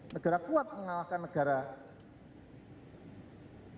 negara kuat mengalahkan negara yang sedemdek